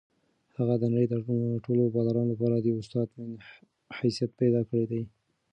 هغه د نړۍ د ټولو بالرانو لپاره د یو استاد حیثیت پیدا کړی دی.